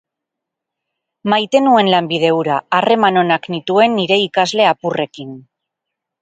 Maite nuen lanbide hura, harreman onak nituen nire ikasle apurrekin.